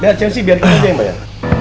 nanti biar kita yang bayar